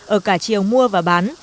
ở cả chiều mua và bán